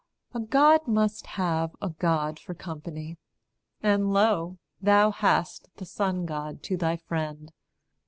A God must have a God for company. And lo! thou hast the Son God to thy friend.